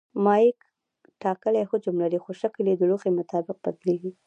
مایع ټاکلی حجم لري خو شکل یې د لوښي مطابق بدلېږي.